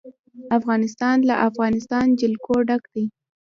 افغانستان له د افغانستان جلکو ډک دی.